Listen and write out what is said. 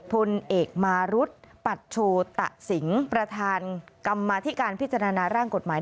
พลเอกมารุธปัชโชตะสิงประธานกรรมาธิการพิจารณาร่างกฎหมาย